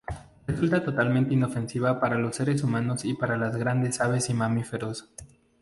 Resulta totalmente inofensiva para los seres humanos y para las grandes aves y mamíferos.